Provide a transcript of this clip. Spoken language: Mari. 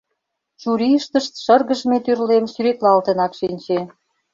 Чурийыштышт шыргыжме тӱрлем сӱретлалтынак шинче.